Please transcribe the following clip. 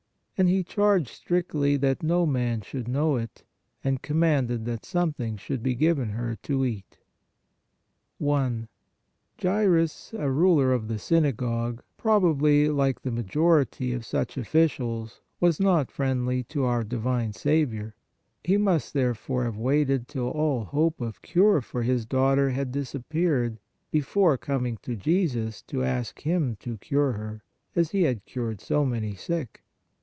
And He charged strictly that no man should know it; and com manded that something should be given her to eat." i. Jairus, a ruler of the synagogue, probably, like the majority of such officials, was not friendly to our divine Saviour; he must, therefore, have waited till all hope of cure for his daughter had disap peared, before coming to Jesus to ask Him to cure her, as He had cured so many sick.